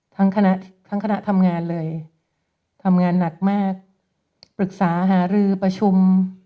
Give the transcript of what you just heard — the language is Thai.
ทั้งคณะทั้งคณะทำงานเลยทำงานหนักมากปรึกษาหารือประชุม